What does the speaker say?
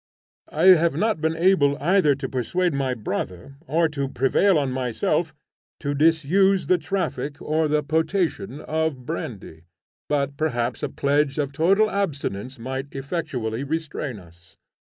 I have not been able either to persuade my brother or to prevail on myself, to disuse the traffic or the potation of brandy, but perhaps a pledge of total abstinence might effectually restrain us.